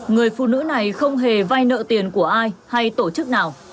người phụ nữ này không hề vay nợ tiền của ai hay tổ chức nào